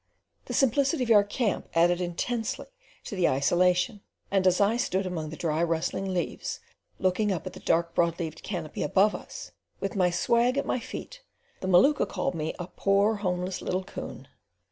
The simplicity of our camp added intensely to the isolation; and as I stood among the dry rustling leaves, looking up at the dark broad leaved canopy above us, with my "swag" at my feet, the Maluka called me a "poor homeless little coon."